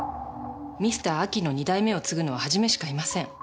ミスター・アキの２代目を継ぐのは元しかいません。